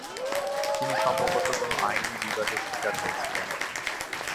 তিনি সম্ভবত কোনও আইনি বিবাদের শিকার হয়েছিলেন।